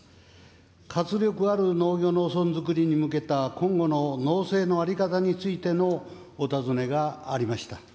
活力ある農業、農村づくりに向けた今後の農村の在り方についてのお尋ねがありました。